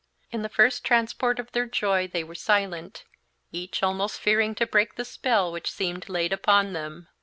In the first transport of their joy they were silent, each almost fearing to break the spell which seemed laid upon them.